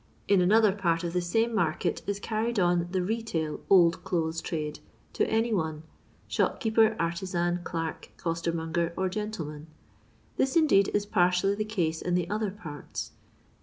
In another part of the same market is carried on the rttttil old clothes trade to any one— rshop keeper, artisan, clerk, costermonger, or gentlemen. This indeed, is partially the case in the other parts.